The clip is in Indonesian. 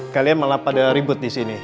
kalian malah pada ribut disini